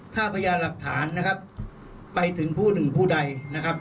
ถ้าพยานหลักฐานนะครับไปถึงผู้หนึ่งผู้ใดนะครับ